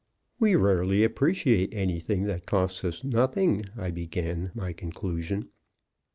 "We rarely appreciate anything that costs us nothing," I began my conclusion.